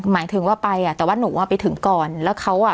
หมายถึงว่าไปอ่ะแต่ว่าหนูอ่ะไปถึงก่อนแล้วเขาอ่ะ